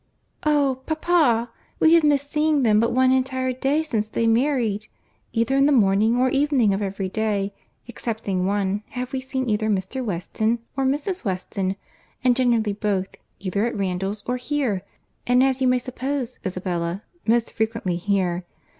"Oh! papa, we have missed seeing them but one entire day since they married. Either in the morning or evening of every day, excepting one, have we seen either Mr. Weston or Mrs. Weston, and generally both, either at Randalls or here—and as you may suppose, Isabella, most frequently here.